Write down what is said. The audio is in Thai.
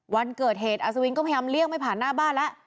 วันเกิดเหตุอัศวินก็พยายามเลี่ยงไม่ผ่านหน้าบ้านแล้ว